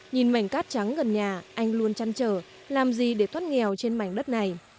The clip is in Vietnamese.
nhìn mảnh cát trắng gần nhà anh luôn chăn trở làm gì để thoát nghèo trên mảnh đất này